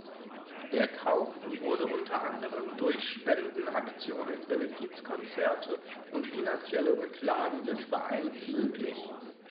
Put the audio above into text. Der Kauf wurde unter anderem durch Spendenaktionen, Benefizkonzerte und finanzielle Rücklagen des Vereines möglich.